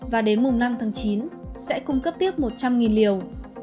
và đến mùng năm tháng chín sẽ cung cấp tiếp một trăm linh liều